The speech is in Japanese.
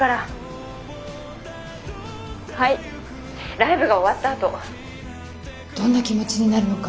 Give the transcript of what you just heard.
ライブが終わったあとどんな気持ちになるのか。